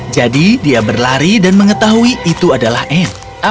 jadi dia berlari dan mengetahui itu adalah anne